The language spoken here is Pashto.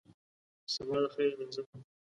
سبا دخیره درځم !